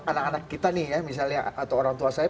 anak anak kita nih ya misalnya atau orang tua saya